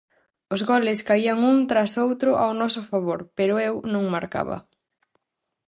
Os goles caían un tras outro ao noso favor pero eu non marcaba.